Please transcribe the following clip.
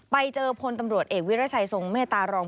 ไปเจอพลตำรวจเอกวิรัชัยทรงเมตตารอง